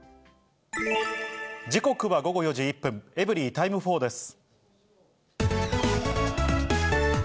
時刻は午後４時１分、エブリィタイム４です。